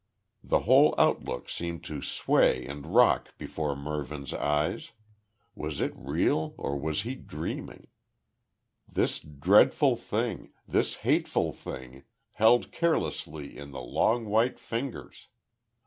The whole outlook seemed to sway and rock before Mervyn's eyes. Was it real or was he dreaming? This dreadful thing, this hateful thing, held carelessly in the long white fingers!